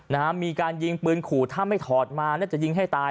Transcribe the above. นะฮะมีการยิงปืนขู่ถ้าไม่ถอดมาน่าจะยิงให้ตาย